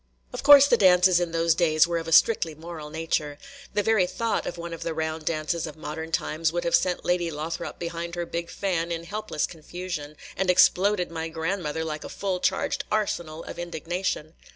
Of course the dances in those days were of a strictly moral nature. The very thought of one of the round dances of modern times would have sent Lady Lothrop behind her big fan in helpless confusion, and exploded my grandmother like a full charged arsenal of indignation.